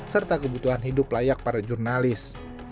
serta kebutuhan hidup layak para jurnalis